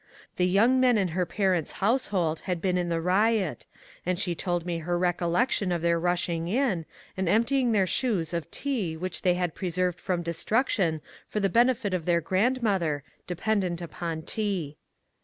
The young men in her par ents' household had been in the riot, and she told me her recollection of their rushing in, and emptying their shoes of tea which they had preserved from destruction for the benefit of their grandmother, dependent upon tea.